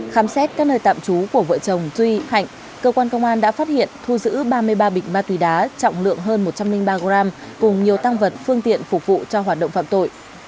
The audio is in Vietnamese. khám xét các nơi tạm trú của vợ chồng duy hạnh cơ quan công an đã phát hiện thu giữ ba mươi ba bịch ma túy đá trọng lượng hơn một trăm linh ba g cùng nhiều tăng vật phương tiện phục vụ cho hoạt động phạm tội